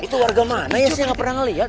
itu warga mana ya saya nggak pernah melihat